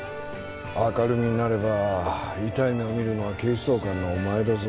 明るみになれば痛い目を見るのは警視総監のお前だぞ。